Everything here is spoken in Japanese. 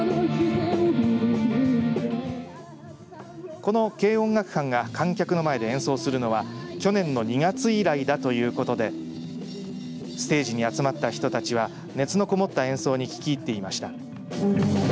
この軽音楽班が観客の間で演奏するのは去年の２月以来だということでステージに集まった人たちは熱のこもった演奏に聞き入っていました。